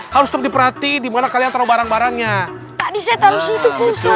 harus diperhati dimana kalian tahu barang barangnya tadi saya taruh situ